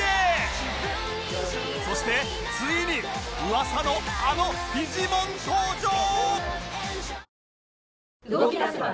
そしてついに噂のあのフィジモン登場！